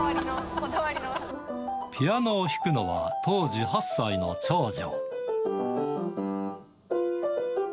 ピアノを弾くのは、当時８歳の長女。